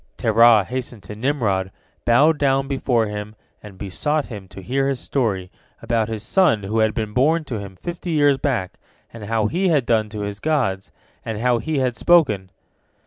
Terah hastened to Nimrod, bowed down before him, and besought him to hear his story, about his son who had been born to him fifty years back, and how he had done to his gods, and how he had spoken.